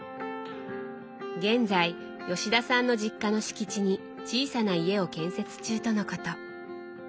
現在吉田さんの実家の敷地に小さな家を建設中とのこと。